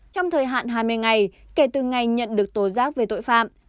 trong thời hạn hai mươi ngày kể từ ngày nhận được tố giác về tội phạm